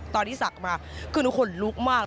ตอนที่ศักดิ์มาคือทุกคนลุกมาก